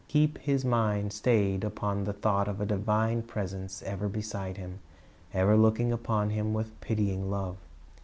Keep his mind stayed upon the thought of a divine presence ever beside him, ever looking upon him with pitying love.